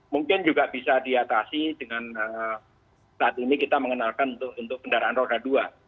mungkin juga bisa diatasi dengan saat ini kita mengenalkan untuk kendaraan roda dua